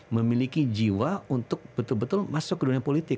memiliki jiwa untuk betul betul masuk ke dunia politik